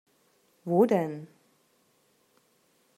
Wo denn?